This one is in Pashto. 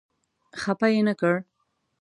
خپه یې نه کړ.